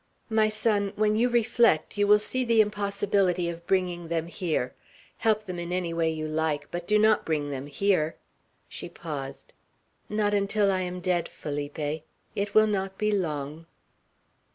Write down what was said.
My son, when you reflect, you will see the impossibility of bringing them here. Help them in any way you like, but do not bring them here." She paused. "Not until I am dead, Felipe! It will not be long."